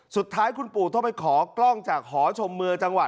สุดท้ายคุณปู่ต้องไปขอกล้องจากหอชมเมืองจังหวัด